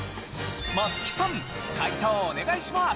松木さん解答お願いします。